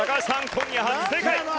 今夜初正解！